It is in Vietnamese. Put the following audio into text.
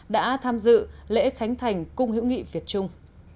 đã tham dự lễ khánh thành cung hữu nghị việt trung